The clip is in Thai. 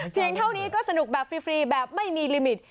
เท่านี้ก็สนุกแบบฟรีแบบไม่มีลิมิต